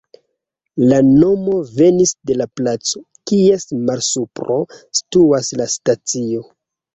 La nomo venis de la placo, kies malsupro situas la stacio.